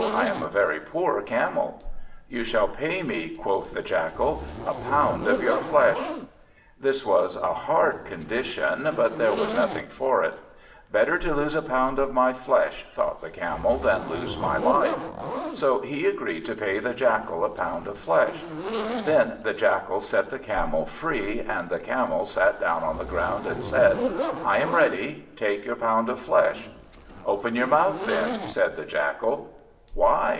I am a very poor Camel." "You shall pay me," quoth the Jackal, "a pound of your flesh." This was a hard condition, but there was nothing for it, "Better to lose a pound of my flesh," thought the Camel, "than lose my life." So he agreed to pay the Jackal a pound of flesh. Then the Jackal set the Camel free, and the Camel sat down on the ground and said "I am ready; take your pound of flesh." "Open your mouth, then," said the Jackal. "Why?"